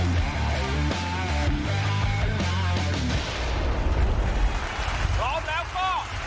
ได้เลยขอบคุณนะคะ